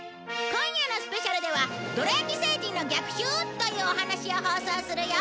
今夜のスペシャルでは「ドラヤキ星人の逆襲！？」というお話を放送するよ